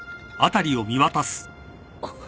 あっ？